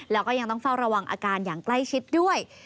แล้วก็ยังต้องเฝ้าระวังอาการอย่างใกล้ชิดด้วย